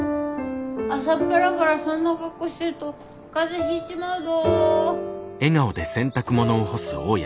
朝っぱらからそんな格好してると風邪ひいちまうぞ。